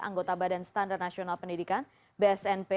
anggota badan standar nasional pendidikan bsnp